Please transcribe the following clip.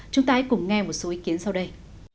chúng ta hãy cùng nghe một số ý kiến sau đây